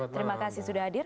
terima kasih sudah hadir